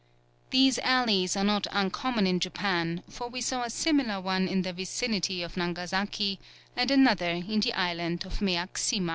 These alleys are not uncommon in Japan, for we saw a similar one in the vicinity of Nangasaky, and another in the island of Meac Sima."